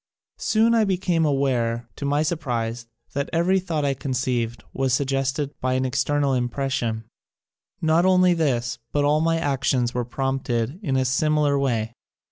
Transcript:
Soon I became aware, to my sur prise, that every thought I conceived was suggested by an external impression. Not only this but all my actions were prompted in a similar way.